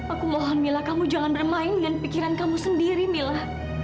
aku mohon mila kamu jangan bermain dengan pikiran kamu sendiri mila